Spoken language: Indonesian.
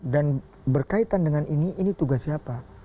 dan berkaitan dengan ini ini tugas siapa